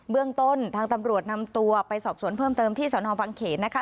เรื่องต้นทางตำรวจนำตัวไปสอบสวนเพิ่มเติมที่สนบังเขนนะคะ